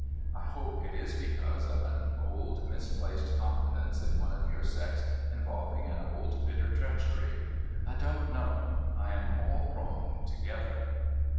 I hope it is because of an old misplaced confidence in one of your sex involving an old bitter treachery. I don't know. I am all wrong together.'